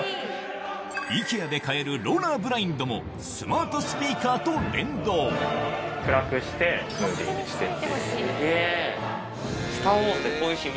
イケアで買えるローラーブラインドもスマートスピーカーと連動すげぇ。